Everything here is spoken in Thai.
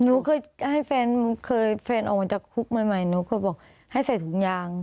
หนูเคยให้แฟนเคยแฟนออกมาจากคุกใหม่หนูเคยบอกให้ใส่ถุงยาง